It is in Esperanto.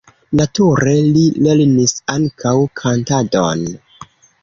Nature li lernis ankaŭ kantadon.